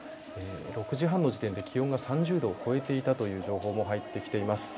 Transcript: ６時半の時点で気温が３０度を超えていたという情報も入ってきています。